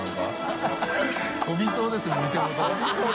飛びそうですね店ごと。